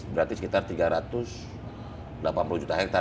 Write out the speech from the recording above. berarti sekitar tiga ratus delapan puluh juta hektare